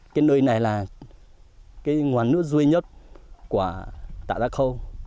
cái nơi này là cái nguồn nước duy nhất của tả gia khâu